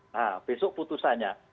nah besok putusannya